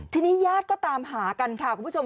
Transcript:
ทีนี้ญาติก็ตามหากันค่ะคุณผู้ชม